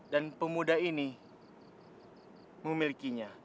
dan pemuda ini memilikinya